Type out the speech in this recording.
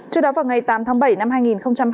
trước đó vào ngày tám tháng bảy năm hai nghìn hai mươi ba